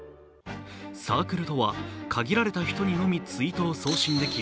サークルとは限られた人にのみツイートを送信でき